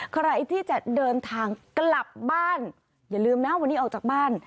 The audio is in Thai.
ใครที่จะเดินทางกลับบ้านอย่าลืมนะวันนี้ออกจากบ้าน